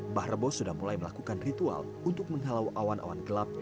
mbah rebo sudah mulai melakukan ritual untuk menghalau awan awan gelap